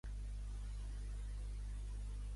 Va començar a escriure una columna per a "Allure".